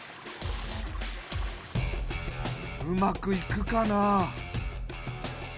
うまくいくかな？